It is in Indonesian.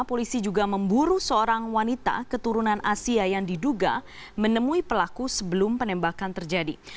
polisi juga memburu seorang wanita keturunan asia yang diduga menemui pelaku sebelum penembakan terjadi